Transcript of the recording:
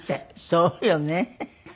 そうよね。